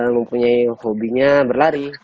mempunyai hobinya berlari